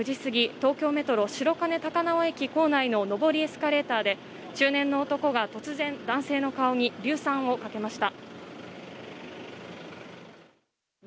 東京メトロ白金高輪駅構内の上りエスカレーターで中年の男が突然、男性の顔に硫酸をかけました。